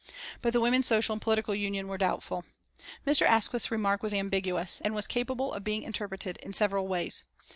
But the Women's Social and Political Union were doubtful. Mr. Asquith's remark was ambiguous, and was capable of being interpreted in several ways.